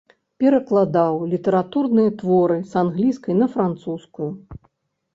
Перакладаў літаратурныя творы з англійскай на французскую.